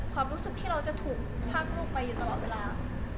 ความรู้สึกที่เราจะถูกพากลูกไปอยู่ตลอดเวลา